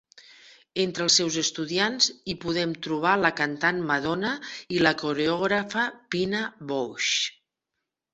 Entre els seus estudiants, hi podem trobar la cantant Madonna i la coreògrafa Pina Bausch.